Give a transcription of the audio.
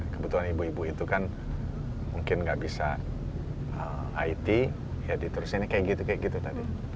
kebetulan ibu ibu itu kan mungkin nggak bisa it ya diterusinnya kayak gitu kayak gitu tadi